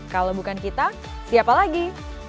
kalau bukan kita siapa lagi